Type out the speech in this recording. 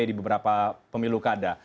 di beberapa pemilu kada